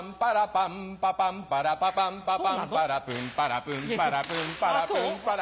パンパパンパラパパンパパンパラプンパラプンパラプンパラプンパラ